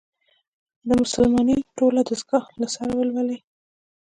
د «مسلمانۍ ټوله دستګاه» له سره ولولي.